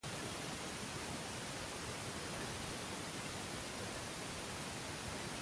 En los sustantivos en singular, generalmente se añade a la raíz -е.